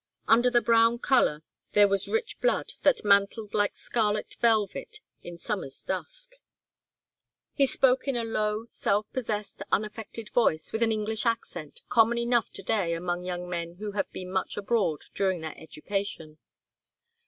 Under the brown colour there was rich blood, that mantled like scarlet velvet in summer's dusk. He spoke in a low, self possessed, unaffected voice, with an English accent, common enough to day among young men who have been much abroad during their education.